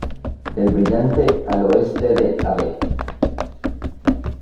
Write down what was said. Del Brillante, al oeste de Av.